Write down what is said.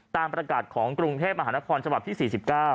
ตามประกาศของกรุงเทพมหานครฉบับที่๔๙